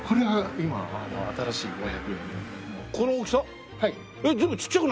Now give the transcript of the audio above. はい。